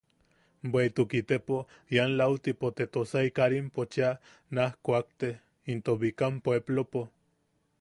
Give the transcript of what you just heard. Bweʼituk itepo ian lautipo te Tosai Karimpo cheʼa naj kuakte into Bikam Puepplopo.